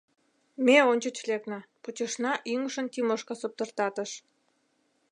Ме ончыч лекна, почешна ӱҥышын Тимошка соптыртатыш.